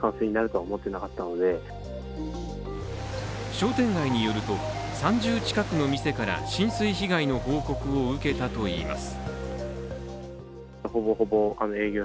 商店街によると、３０近くの店から浸水被害の報告を受けたといいます。